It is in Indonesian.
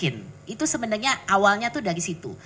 itu sebenarnya awalnya itu dari situ